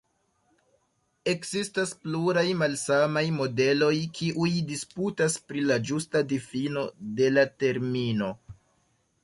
Ekzistas pluraj malsamaj modeloj kiuj disputas pri la ĝusta difino de la termino.